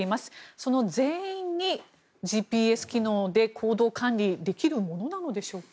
その全員にＧＰＳ機能で行動管理ができるものなのでしょうか。